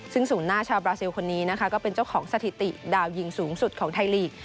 ซึ่งศูนย์หน้าชาวบราซิลคนนี้นะคะก็เป็นเจ้าของสถิติดาวยิงสูงสุดของไทยลีก